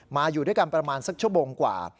อยู่ด้วยกันประมาณสักชั่วโมงกว่า